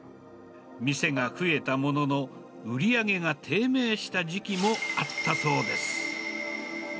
店が増えたものの、売り上げが低迷した時期もあったそうです。